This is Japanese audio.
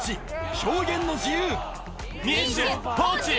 表現の自由！